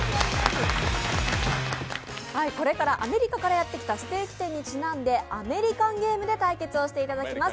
これからアメリカからやってきたステーキ店にちなんでアメリカンゲームで対決していただきます。